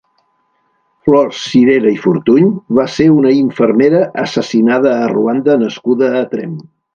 Flors Sirera i Fortuny va ser una infermera assassinada a Ruanda nascuda a Tremp.